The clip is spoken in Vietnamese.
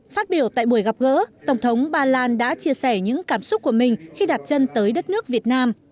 phát biểu tại buổi gặp gỡ tổng thống ba lan đã chia sẻ những cảm xúc của mình khi đặt chân tới đất nước việt nam